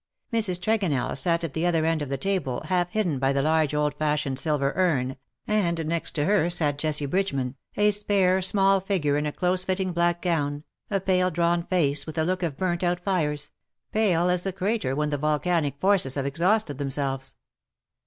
Mrs. Tregonell sat at the other end of the table, half hidden by the large old fashioned silver urn, and next her sat Jessie Bridgeman, a spare small figure in a close fitting black gown_, a pale drawn face with DUEL OR MURDER? 45 a look of burnt out fires — pale as the crater when the volcanic forces have exhausted themselves.